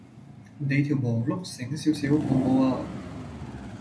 你條磨碌醒少少好無呀